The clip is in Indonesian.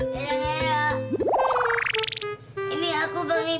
pergi lu pergi lu